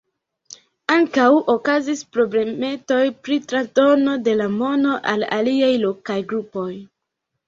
Ankaŭ okazis problemetoj pri transdono de la mono al aliaj lokaj grupoj.